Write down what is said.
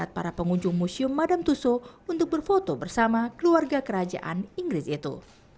minat para pengunjung museum madame tussauds untuk berfoto bersama keluarga kerajaan inggris itu